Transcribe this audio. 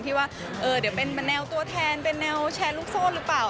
ที่ว่าเดี๋ยวเป็นแนวตัวแทนเป็นแนวแชร์ลูกโซ่หรือเปล่า